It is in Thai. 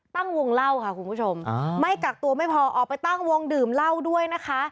ตั้งวงเล่าค่ะคุณผู้ชมไม่กักตัวไม่พอออกไปตั้งวงดื่มเหล้าด้วยนะคะ